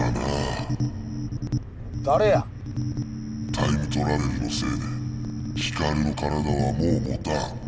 タイムトラベルのせいでヒカルの体はもうもたん。